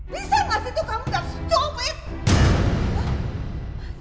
bisa gak sih tuh kamu udah stupid